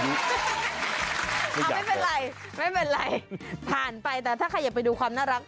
เอาไม่เป็นไรไม่เป็นไรผ่านไปแต่ถ้าใครอยากไปดูความน่ารัก